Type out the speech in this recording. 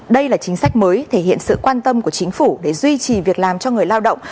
đây là chính sách mới thể hiện sự quan tâm của chính phủ để duy trì việc làm cho người lao động